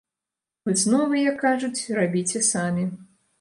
Высновы, як кажуць, рабіце самі.